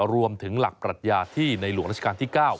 รวมถึงหลักปรัชญาที่ในหลวงราชการที่๙